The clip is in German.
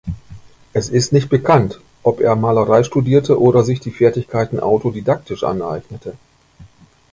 Es ist nicht bekannt, ob er Malerei studierte oder sich die Fertigkeiten autodidaktisch aneignete.